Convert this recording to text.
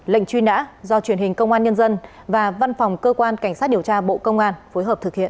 lệnh truy nã do truyền hình công an nhân dân và văn phòng cơ quan cảnh sát điều tra bộ công an phối hợp thực hiện